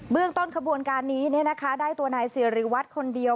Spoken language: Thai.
เบื้องต้นขบวนการนี้เนี่ยนะคะได้ตัวนายศิริวัตรคนเดียว